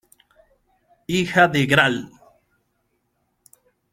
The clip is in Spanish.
Hija del Gral.